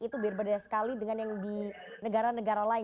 itu berbeda sekali dengan yang di negara negara lain